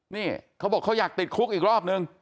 นี่เขาบอกเขาอยากติดคุกอีกรอบนึง